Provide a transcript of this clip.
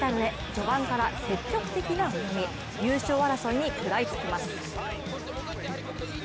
序盤から積極的な泳ぎ優勝争いに食らいつきます。